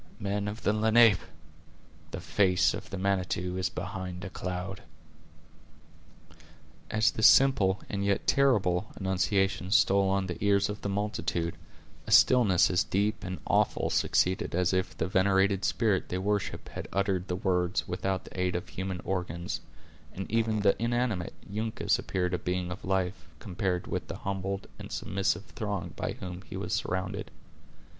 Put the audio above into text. Men of the Lenape! the face of the Manitou is behind a cloud." As this simple and yet terrible annunciation stole on the ears of the multitude, a stillness as deep and awful succeeded as if the venerated spirit they worshiped had uttered the words without the aid of human organs; and even the inanimate Uncas appeared a being of life, compared with the humbled and submissive throng by whom he was surrounded.